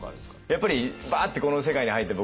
やっぱりバーッてこの世界に入って僕